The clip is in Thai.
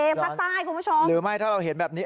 ภาคใต้คุณผู้ชมหรือไม่ถ้าเราเห็นแบบนี้